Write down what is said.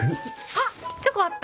あっチョコあった！